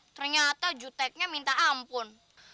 ternyata juteknya minta ampun